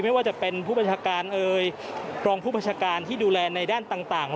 ไม่ว่าจะเป็นผู้บัญชาการเอ่ยรองผู้ประชาการที่ดูแลในด้านต่าง